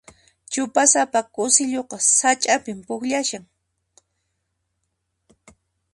Chupasapa k'usilluqa sach'api pukllashan.